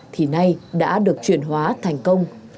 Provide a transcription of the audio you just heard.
khi này đã được truyền hóa thành công